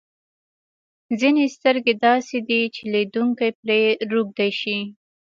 ځینې سترګې داسې دي چې لیدونکی پرې روږدی شي.